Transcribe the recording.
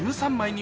に